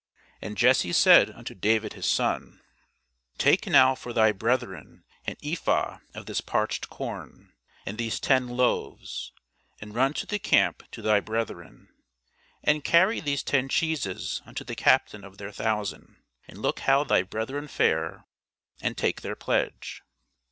And Jesse said unto David his son, Take now for thy brethren an ephah of this parched corn, and these ten loaves, and run to the camp to thy brethren; And carry these ten cheeses unto the captain of their thousand, and look how thy brethren fare, and take their pledge.